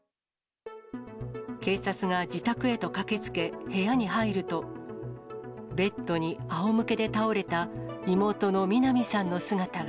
警察が自宅へと駆けつけ、部屋に入ると、ベッドにあおむけで倒れた妹のみな美さんの姿が。